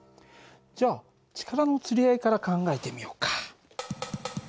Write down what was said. じゃあ力のつり合いから考えてみようか。